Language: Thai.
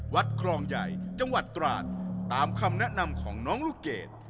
ครองใหญ่จังหวัดตราดตามคำแนะนำของน้องลูกเกด